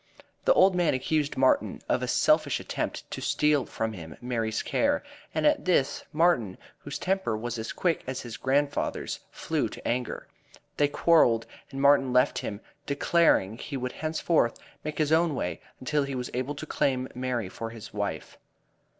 The old man accused Martin of a selfish attempt to steal from him Mary's care, and at this, Martin, whose temper was as quick as his grandfather's flew to anger. They quarreled and Martin left him, declaring he would henceforth make his own way until he was able to claim Mary for his wife.